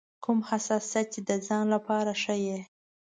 کوم حساسیت چې د ځان لپاره ښيي.